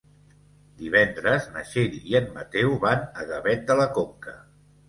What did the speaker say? Divendres na Txell i en Mateu van a Gavet de la Conca.